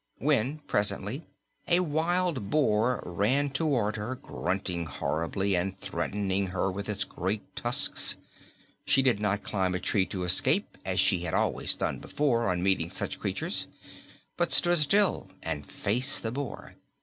When, presently, a wild boar ran toward her, grunting horribly and threatening her with its great tusks, she did not climb a tree to escape, as she had always done before on meeting such creatures, but stood still and faced the boar.